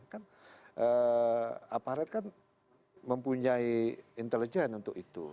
kan aparat kan mempunyai intelijen untuk itu